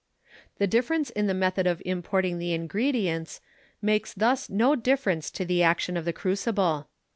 The difference in the method of importing the ingredients makes thus no difference to the action of the crucible.